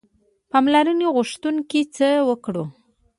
پاملرنې غوښتونکي څه وکړو.